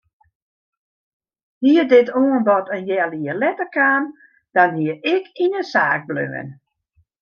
Hie dit oanbod in healjier letter kaam dan hie ik yn de saak bleaun.